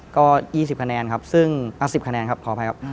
ก็๑๐คะแนนครับขออภัยครับ